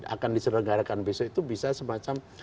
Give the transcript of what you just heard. akan diselenggarakan besok itu bisa semacam